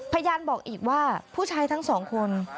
พยานบอกอีกว่าผู้ชายทั้งสองคน